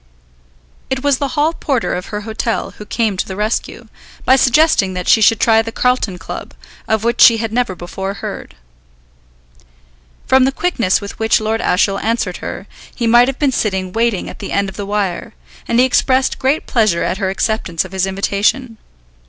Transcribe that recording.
It was the hall porter of her hotel who came to the rescue, by suggesting that she should try the Carlton Club, of which she had never before heard. From the quickness with which Lord Ashiel answered her, he might have been sitting waiting at the end of the wire, and he expressed great pleasure at her acceptance of his invitation.